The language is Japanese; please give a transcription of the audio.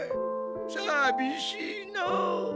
さびしいのう。